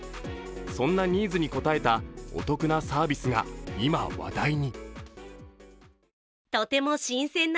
そんなニーズに応えたお得なサービスが今話題に。